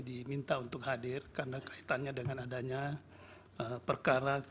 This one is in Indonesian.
diminta untuk hadir karena kaitannya dengan adanya perkara